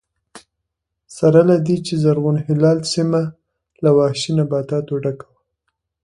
سره له دې چې زرغون هلال سیمه له وحشي نباتاتو ډکه وه